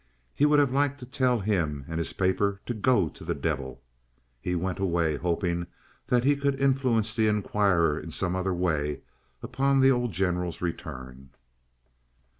He would have liked to tell him and his paper to go to the devil. He went away, hoping that he could influence the Inquirer in some other way upon the old General's return.